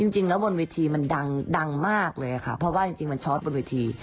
จริงแล้วบนเวทีมันดังมากเลยค่ะเพราะว่าจริงมันชอตบนเวที